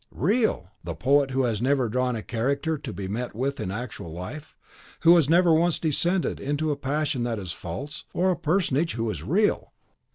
"Real! The poet who has never once drawn a character to be met with in actual life, who has never once descended to a passion that is false, or a personage who is real!"